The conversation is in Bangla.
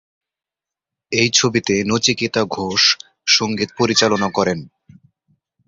এই ছবিতে নচিকেতা ঘোষ সংগীত পরিচালনা করেন।